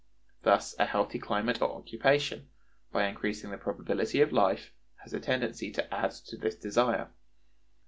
Thus a healthy climate or occupation, by increasing the probability of life, has a tendency to add to this desire.